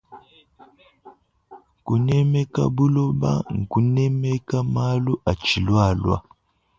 Kunemeka buloba nkunemeka malu atshilualua.